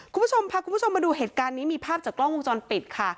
คุณผู้ชมพาคุณผู้ชมมาดูเหตุการณ์นี้มีภาพจากกล้องวงจรปิดค่ะ